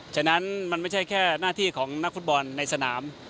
ฉะนั้นมันไม่ใช่แค่หน้าที่ของนักฟุตบอลในสนาม